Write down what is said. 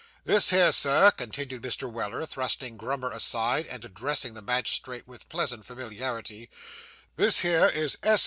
This here, sir' continued Mr. Weller, thrusting Grummer aside, and addressing the magistrate with pleasant familiarity, 'this here is S.